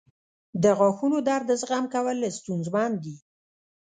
• د غاښونو درد زغم کول ستونزمن دي.